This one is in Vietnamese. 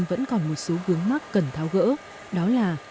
vẫn còn một số hướng mắc cần tháo gỡ đó là